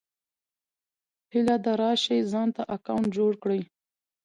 هيله ده راشٸ ځانته اکونټ جوړ کړى